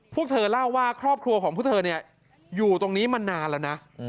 พวกเธอเล่าว่าครอบครัวของพวกเธออยู่ตรงนี้มานานแล้วนะ